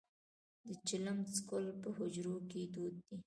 د چلم څکول په حجرو کې دود دی.